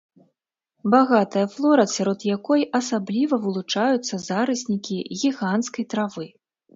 Багатая флора, сярод якой асабліва вылучаюцца зараснікі гіганцкай травы.